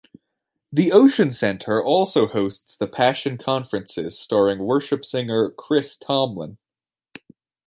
The Ocean Center also hosts The Passion Conferences starring Worship singer Chris Tomlin.